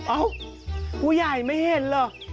เอ้าผู้ใหญ่ไม่เห็นเหรอ